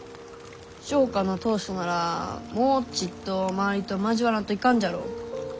商家の当主ならもうちっと周りと交わらんといかんじゃろう？